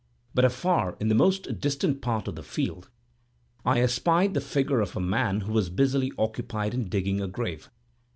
But afar, in the most distant part of the field, I espied the figure of a man who was busily occupied in digging a grave.